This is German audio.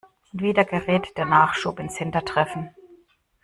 Und wieder gerät der Nachschub ins Hintertreffen.